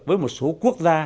với một số quốc gia